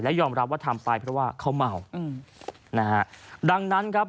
ยอมรับว่าทำไปเพราะว่าเขาเมาอืมนะฮะดังนั้นครับ